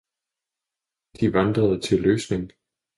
De vandrede til Løsning